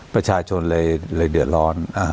ผู้ชายทางชนเลยเดือดร้อน